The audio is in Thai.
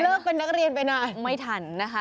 หลอกเป็นนักเรียนไปนาน